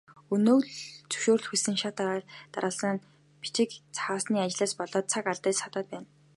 Өнөө л зөвшөөрөл хүссэн шат дараалсан бичиг цаасны ажлаас болоод цаг алдаж саатаад байна.